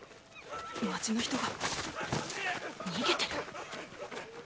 街の人が逃げてる？